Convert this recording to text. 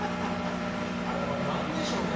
あれは何でしょうね。